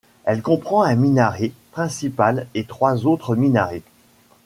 Elle comprend un minaret principal et trois autres minarets.